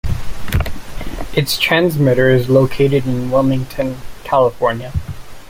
Its transmitter is located in Wilmington, California.